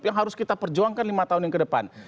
yang harus kita perjuangkan lima tahun yang kedepan